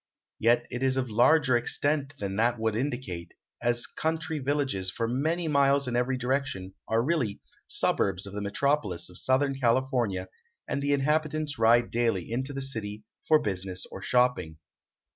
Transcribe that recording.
Yet it is of larger extent than that would indicate, as country villages for many miles in every direction are really suburbs of the metropolis of Southern California and the inhabitants ride daily into the city for business or shopping.